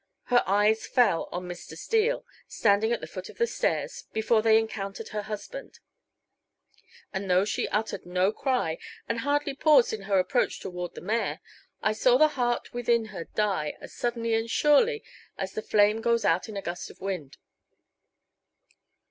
Her eyes fell on Mr. Steele, standing at the foot of the stairs, before they encountered her husband; and though she uttered no cry and hardly paused in her approach toward the mayor, I saw the heart within her die as suddenly and surely as the flame goes out in a gust of wind.